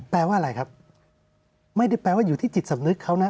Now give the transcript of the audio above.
แปลว่าอะไรครับไม่ได้แปลว่าอยู่ที่จิตสำนึกเขานะ